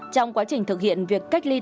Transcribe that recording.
trong quá trình thực hiện việc cách ly này